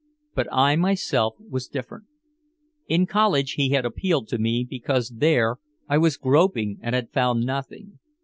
But I myself was different. In college he had appealed to me because there I was groping and had found nothing.